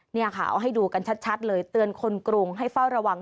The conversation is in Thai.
นี่ค่ะเอาให้ดูกันชัดเลยเตือนคนกรุงให้เฝ้าระวัง